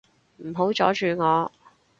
唔好阻住我